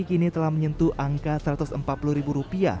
kini telah menyentuh angka rp satu ratus empat puluh